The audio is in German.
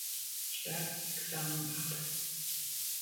Staatsexamen ab.